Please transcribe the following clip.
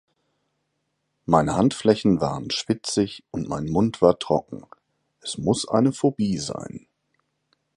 Meine Handflächen waren schwitzig und mein Mund war trocken, es muss eine Phobie sein.